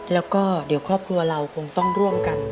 แล้วก็เดี๋ยวครอบครัวเราคงต้องร่วมกัน